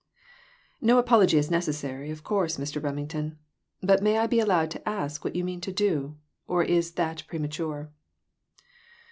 "No apology is necessary, of course, Mr. Rem ington ; but may I be allowed to ask what you mean to do ; or is that premature